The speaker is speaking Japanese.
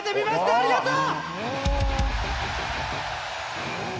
ありがとう！